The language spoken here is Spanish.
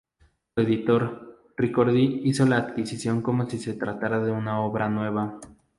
Su editor, Ricordi hizo la adquisición como si se tratara de una obra nueva.